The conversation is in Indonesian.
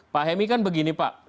pak hemi kan begini pak